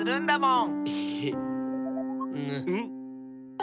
ん？